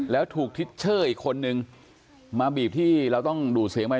แล้วถูกทิชเชอร์อีกคนนึงมาบีบที่เราต้องดูดเสียงไว้